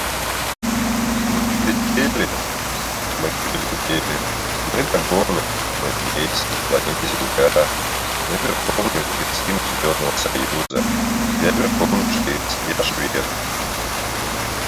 ни его проклятой усадьбы.